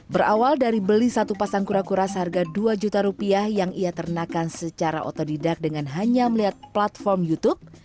berawal dari beli satu pasang kura kura seharga dua juta rupiah yang ia ternakan secara otodidak dengan hanya melihat platform youtube